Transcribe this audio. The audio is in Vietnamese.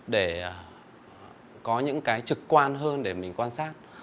để có những cái trực quan hơn để mình quan sát